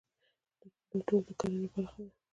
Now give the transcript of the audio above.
دا ټول د کرنې برخه ده.